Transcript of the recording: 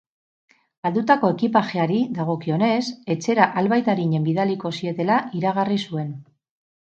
Galdutako ekipajeari dagokionez, etxera albait arinen bidaliko zietela iragarri zuen.